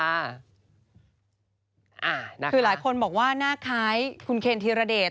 คือหลายคนบอกว่าหน้าคล้ายคุณเคนธีรเดช